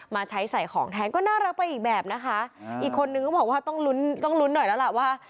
มาใช้ใส่ของแทนก็น่ารักไปอีกแบบนะคะอีกคนนึงก็บอกว่าต้องลุ้นต้องลุ้นหน่อยแล้วล่ะว่า